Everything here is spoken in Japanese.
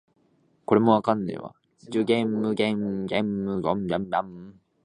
寿限無寿限無五劫のすりきれ